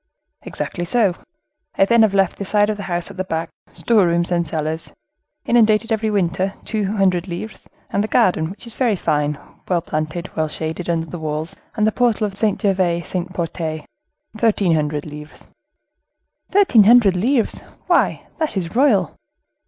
"Exactly so. I then have left the side of the house at the back, store rooms, and cellars, inundated every winter, two hundred livres; and the garden, which is very fine, well planted, well shaded under the walls and the portal of Saint Gervais Saint Protais, thirteen hundred livres." "Thirteen hundred livres! why, that is royal!"